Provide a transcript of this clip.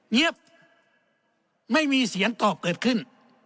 เงียบไม่มีเสียงตอบเกิดขึ้น